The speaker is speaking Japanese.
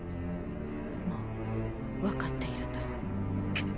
もう分かっているんだろう